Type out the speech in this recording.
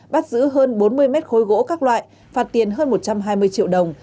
bắt giữ hơn bốn mươi mét khối gỗ các loại phạt tiền hơn một trăm hai mươi triệu đồng